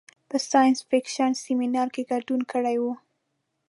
په ساینس فکشن سیمنار کې ګډون کړی و.